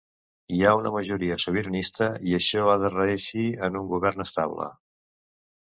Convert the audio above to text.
Hi ha una majoria sobiranista i això ha de reeixir en un govern estable.